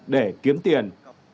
để kiếm tiền